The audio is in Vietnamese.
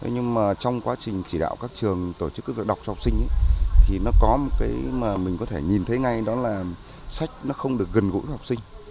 nhưng mà trong quá trình chỉ đạo các trường tổ chức các việc đọc cho học sinh thì nó có một cái mà mình có thể nhìn thấy ngay đó là sách nó không được gần gũi với học sinh